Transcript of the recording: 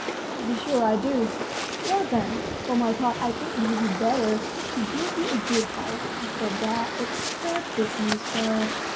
"To be sure I do." "Well, then. For my part I think it would be better to give you a good hiding. But there it's her business. Well?